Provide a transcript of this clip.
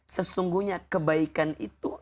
sesungguhnya kebaikan itu